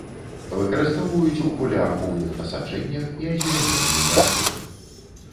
Выкарыстоўваюць у полеахоўных насаджэннях і азеляненні гарадоў.